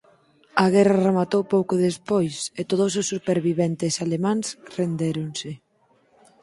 A guerra rematou pouco despois e todos os superviventes alemáns rendéronse.